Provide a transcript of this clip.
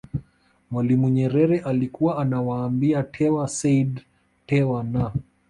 Mwalimu Nyerere alikuwa anawaambia Tewa Said Tewa na